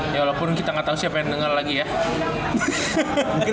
ya walaupun kita nggak tahu siapa yang denger lagi ya